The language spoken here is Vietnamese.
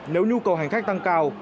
nếu nhu cầu hành khách tăng cao